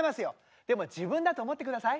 でも自分だと思ってください。